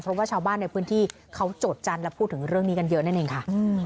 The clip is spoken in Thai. เพราะว่าชาวบ้านในพื้นที่เขาโจทย์และพูดถึงเรื่องนี้กันเยอะนั่นเองค่ะ